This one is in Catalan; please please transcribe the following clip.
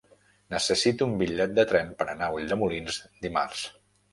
Necessito un bitllet de tren per anar a Ulldemolins dimarts.